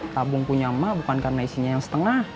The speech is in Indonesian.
tabung punya emak bukan karena isinya yang setengah